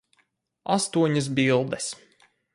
Astoņas bildes.